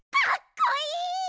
かっこいい！